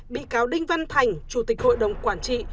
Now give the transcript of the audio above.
bị cáo đinh văn thành chủ tịch hội đồng quản trị